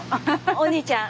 お兄ちゃん。